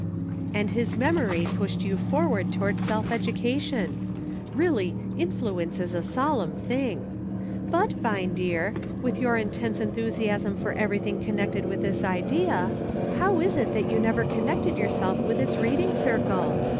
" And his memory pushed you forward toward self education. Really, influence is a solemn thing. But, Vine dear, with your intense enthusiasm for everything connected with this idea, how is it that you have never connected yourself with its read ing circle